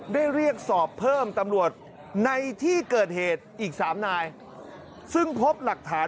เรียกสอบเพิ่มตำรวจในที่เกิดเหตุอีกสามนายซึ่งพบหลักฐาน